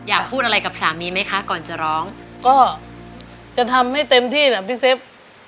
อยากพูดอะไรกับสามีไหมคะก่อนจะร้องก็จะทำให้เต็มที่เหรอพี่เซฟ